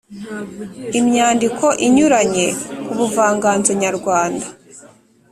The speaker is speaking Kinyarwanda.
imyandiko inyuranye ku buvanganzo nyarwanda